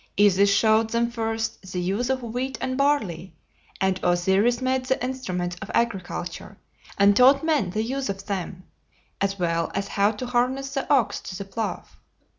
Isis showed them first the use of wheat and barley, and Osiris made the instruments of agriculture and taught men the use of them, as well as how to harness the ox to the plough.